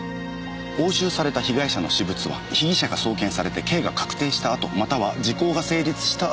押収された被害者の私物は被疑者が送検されて刑が確定したあとまたは時効が成立した